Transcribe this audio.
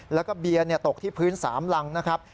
แล้วก็เบียนตกที่พื้น๓รังนะครับ